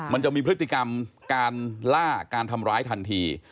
มันจะมีพฤติกรรมการล่าการทำร้ายทันที